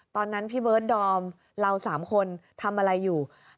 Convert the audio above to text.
ตอนนั้นพี่เบิร์ดดอมเรา๓คนทำอะไรอยู่